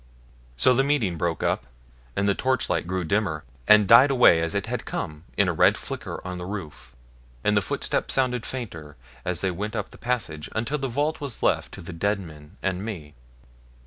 So the meeting broke up, and the torchlight grew dimmer, and died away as it had come in a red flicker on the roof, and the footsteps sounded fainter as they went up the passage, until the vault was left to the dead men and me.